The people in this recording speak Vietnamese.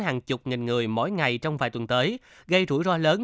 hàng chục nghìn người mỗi ngày trong vài tuần tới gây rủi ro lớn